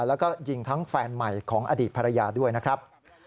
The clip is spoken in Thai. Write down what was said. แล้วก็ยิงทั้งแฟนใหม่ของอดีตภรรยาด้วยนะครับ